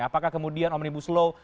apakah kemudian omnibus law